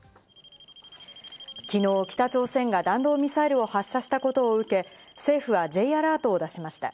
昨日、北朝鮮が弾道ミサイルを発射したことを受け、政府はＪアラートを出しました。